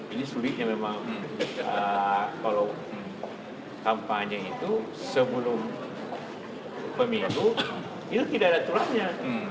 ini sulitnya memang kalau kampanye itu sebelum pemilu itu tidak ada tulangnya